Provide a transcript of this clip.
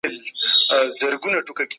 دا هغه موضوع ده چي موږ کار پرکوو.